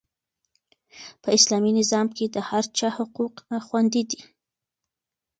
په اسلامي نظام کې د هر چا حقوق خوندي دي.